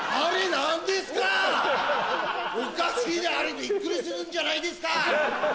おかしい！あれびっくりするんじゃないですか！